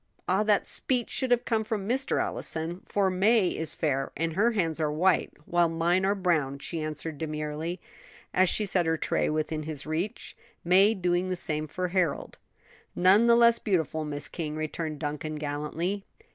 "Ah, that speech should have come from Mr. Allison, for May is fair and her hands are white, while mine are brown," she answered demurely, as she set her tray within his reach, May doing the same for Harold. "None the less beautiful, Miss King," returned Duncan gallantly.